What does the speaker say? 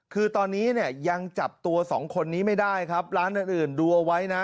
คือตอนนี้เนี่ยยังจับตัวสองคนนี้ไม่ได้ครับร้านอื่นดูเอาไว้นะ